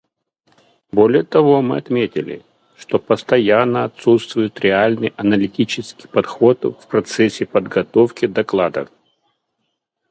Более того мы отметили, что постоянно отсутствует реальный аналитический подход в процессе подготовки доклада.